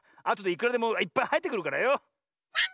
あとでいくらでもいっぱいはえてくるからよ。